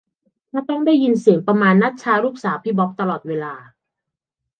ถ้าต้องได้ยินเสียงประมาณนัทชาลูกสาวพี่บ๊อบตลอดเวลา